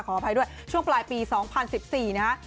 ขออภัยด้วยช่วงปลายปี๒๐๑๔นะฮะ